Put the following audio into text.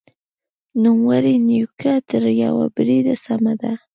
نوموړې نیوکه تر یوه بریده سمه ده.